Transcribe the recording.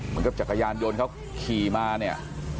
มันก็จักรยานโยนเขาขี่มาเนี่ย